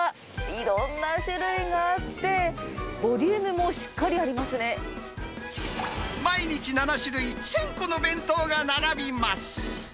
いろんな種類があって、毎日７種類、１０００個の弁当が並びます。